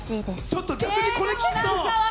ちょっと逆にこれ聞くと。